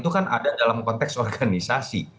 itu kan ada dalam konteks organisasi